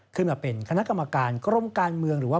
ขึ้นมาเป็นคณะกรรมการกรมการเมืองหรือว่า